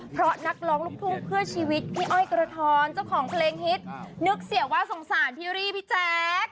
เพราะนักร้องลูกทุ่งเพื่อชีวิตพี่อ้อยกระท้อนเจ้าของเพลงฮิตนึกเสียว่าสงสารพี่รี่พี่แจ๊ค